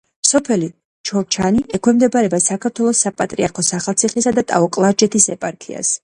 სოფელი ჩორჩანი ექვემდებარება საქართველოს საპატრიარქოს ახალციხისა და ტაო-კლარჯეთის ეპარქიას.